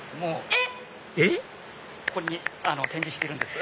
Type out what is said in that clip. えっ⁉えっ⁉展示してるんです。